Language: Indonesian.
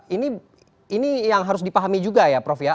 ini yang harus dipahami juga ya prof ya